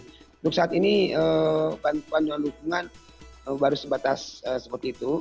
untuk saat ini bantuan dan dukungan baru sebatas seperti itu